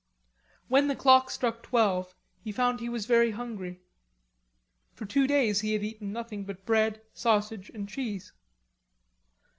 When the clock struck twelve, he found he was very hungry. For two days he had eaten nothing but bread, sausage and cheese.